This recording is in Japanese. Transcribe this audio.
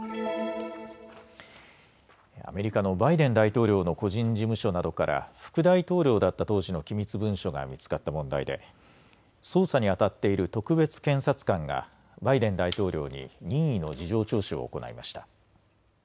アメリカのバイデン大統領の個人事務所などから副大統領だった当時の機密文書が見つかった問題で捜査にあたっている特別検察官がバイデン大統領に任意の事情聴取を行いました。